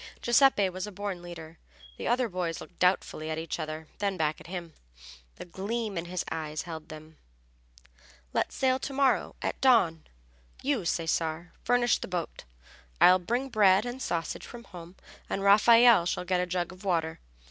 Giuseppe was a born leader. The other boys looked doubtfully at each other, then back at him. The gleam in his eyes held them. "Let's sail to morrow at dawn! You, Cesare, furnish the boat, I'll bring bread and sausage from home, and Raffaelle shall get a jug of water.